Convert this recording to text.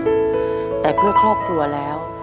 ก็ยังหยุดทำไม่ได้แต่เพื่อครอบครัวแล้ว